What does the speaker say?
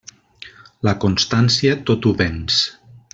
La constància tot ho venç.